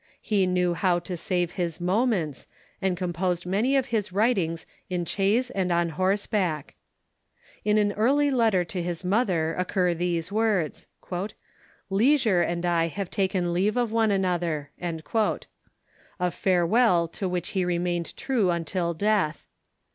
He knew how to save his moments, and composed many of his writings in chaise and on horseback. In an early letter to his mother oc cur these Avords :" Leisure and I have taken leave of one another" — a farewell to which he remained true until death.